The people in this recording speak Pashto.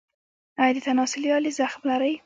ایا د تناسلي آلې زخم لرئ؟